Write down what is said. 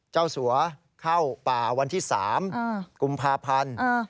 สัวเข้าป่าวันที่๓กุมภาพันธ์